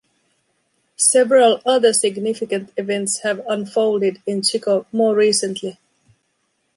Several other significant events have unfolded in Chico more recently.